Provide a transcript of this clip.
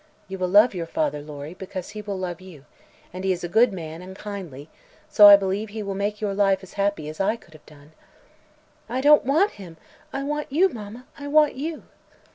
You will love your father, Lory, because he will love you; and he is a good man, and kindly, so I believe he will make your life as happy as I could have done." "I don't want him; I want you, Mamma I want _you!"